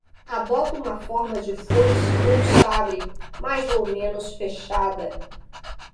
Adota uma forma de foice ou sabre, mais ou menos fechada.